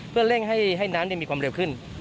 เพื่อเร่งให้น้ำมีความเร็วขึ้น